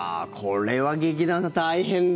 これは劇団さん、大変だ。